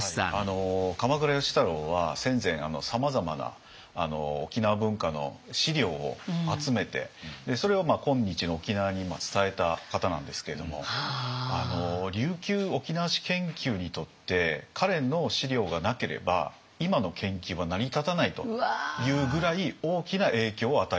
鎌倉芳太郎は戦前さまざまな沖縄文化の資料を集めてそれを今日の沖縄に伝えた方なんですけれども琉球沖縄史研究にとって彼の資料がなければ今の研究は成り立たないというぐらい大きな影響を与えた。